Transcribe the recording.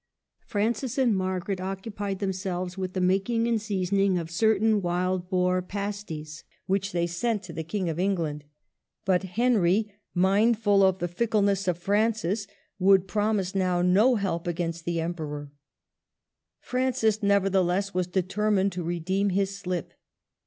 Francis and Margaret occupied themselves with the making and sea soning of certain wild boar pasties which they sent to the King of England. But Henry, mindful of the fickleness of Francis, would promise now no help against the Emperor, Francis, nevertheless, was determined to re deem his slip.